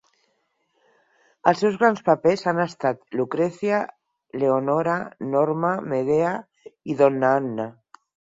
Els seus grans papers han estat Lucrezia, Leonora, Norma, Medea i Donna Anna.